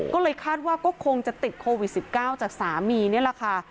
ก็เลยคาดว่าก็คงจะติดโควิด๑๙จากสามีนี่แหละค่ะ